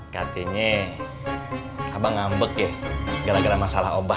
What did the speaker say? katanya ngambek ya gara gara masalah obat